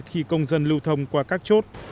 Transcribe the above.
khi công dân lưu thông qua các chốt